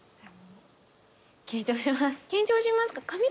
緊張しますか？